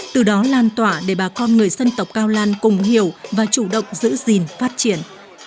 từ đó lan tỏa để bà con người dân tộc cao lan cùng hiểu và chủ động giữ gìn phát triển